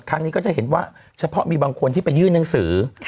ทางนี้ก็จะเห็นว่าเฉพาะมีบางคนที่ไปยื่นหนังสือ